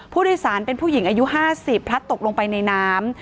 ผู้โดยสารเป็นผู้หญิงอายุ๕๐พลัดตกลงไปในน้ำ